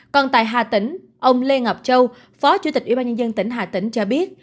còn tại hà tĩnh ông lê ngọc châu phó chủ tịch ủy ban nhân dân tỉnh hà tĩnh cho biết